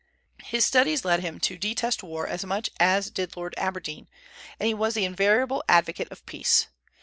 His studies led him to detest war as much as did Lord Aberdeen, and he was the invariable advocate of peace.